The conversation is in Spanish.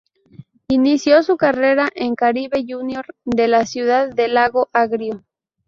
Inició su carrera en Caribe Junior de la ciudad de Lago Agrio.